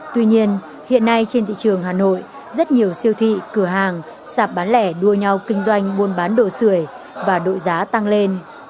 tuy nhiên hiện nay trên thị trường hà nội rất nhiều siêu thị cửa hàng sạp bán lẻ đua nhau kinh doanh buôn bán đồ sửa và đội giá tăng lên